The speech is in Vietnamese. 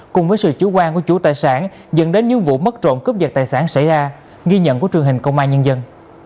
cùng với sự chủ quan của chủ tài sản dẫn đến những vụ mất trộm cướp giật tài sản xảy ra ghi nhận của truyền hình công an nhân dân